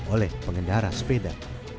oleh pengendara sepeda